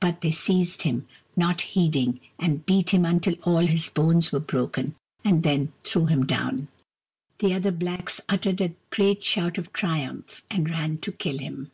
But they seized him, not heeding, and beat him until all his bones were broken, and then threw him down. The other blacks uttered a great shout of triumph, and ran to kill him.